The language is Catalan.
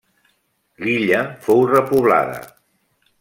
L'illa fou repoblada.